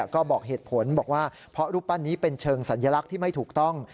ก็บอกเหตุผลบอกว่าเพราะรูปปั้นนี้เป็นเชิงสัญลักษณ์ที่ไม่ถูกต้อง